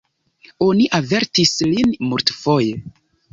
Oni avertis lin multfoje!